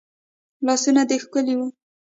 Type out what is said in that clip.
لاسونه دي ښکلي وه